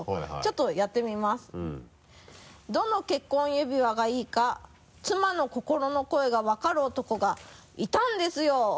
どの結婚指輪がいいか妻の心の声が分かる男がいたんですよ。